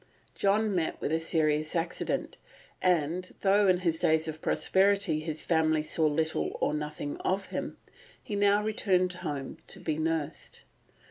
John met with a serious accident, and, though in his days of prosperity his family saw little or nothing of him, he now returned home to be nursed.